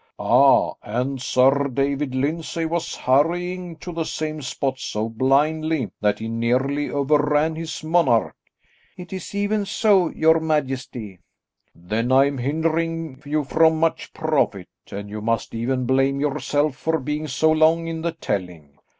"Ah, and Sir David Lyndsay was hurrying to the same spot so blindly that he nearly overran his monarch." "It is even so, your majesty." "Then am I hindering you from much profit, and you must even blame yourself for being so long in the telling.